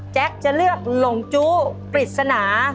จะเลือกหลงจู้ปริศนา